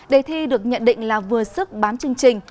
đề thi được nhận định là vừa sức bán chương trình